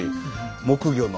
木魚の。